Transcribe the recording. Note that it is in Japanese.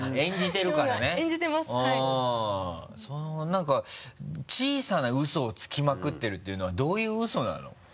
何か小さなウソをつきまくっているっていうのはどういうウソなの？